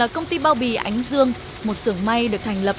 công ty bao bì ánh dương một sưởng may được thành lập